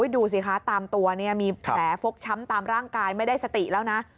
ดูสิคะตามตัวมีแผลฟกช้ำตามร่างกายไม่ได้สติแล้วนะ